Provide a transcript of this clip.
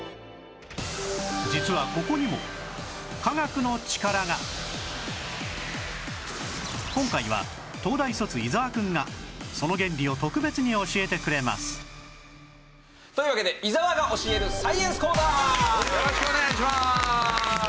実はここにも今回は東大卒伊沢くんがその原理を特別に教えてくれますというわけで伊沢が教えるサイエンス講座！よろしくお願いしまーす。